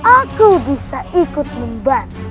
aku bisa ikut membantu